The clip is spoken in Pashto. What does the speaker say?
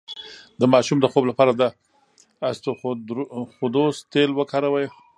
د ماشوم د خوب لپاره د اسطوخودوس تېل وکاروئ